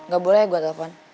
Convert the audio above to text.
gak boleh gue telepon